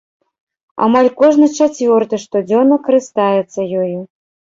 Амаль кожны чацвёрты штодзённа карыстаецца ёю.